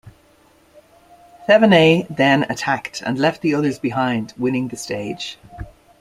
Thevenet then attacked, and left the others behind, winning the stage.